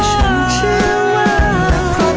ให้ฉันเชื่อว่า